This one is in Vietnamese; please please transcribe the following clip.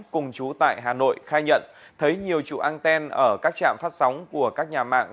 cùng chú tại hà nội khai nhận thấy nhiều trụ an ten ở các trạm phát sóng của các nhà mạng